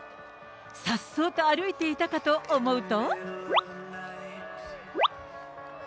さっそうと歩いていたかと思うと。